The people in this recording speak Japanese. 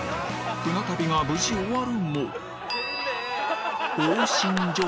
船旅が無事終わるも